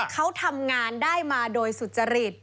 เขาทำงานได้มาโดยสุจริต